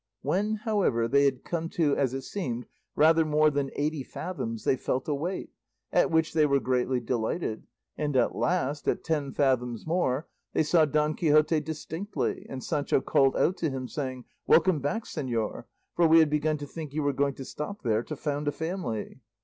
When, however, they had come to, as it seemed, rather more than eighty fathoms they felt a weight, at which they were greatly delighted; and at last, at ten fathoms more, they saw Don Quixote distinctly, and Sancho called out to him, saying, "Welcome back, señor, for we had begun to think you were going to stop there to found a family."